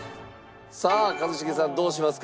さあ一茂さんどうしますか？